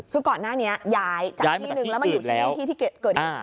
คือก่อนหน้านี้ย้ายจากที่นึงแล้วมาอยู่ที่นี่ที่ที่เกิดเหตุ